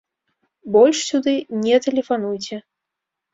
Больш сюды не тэлефануйце.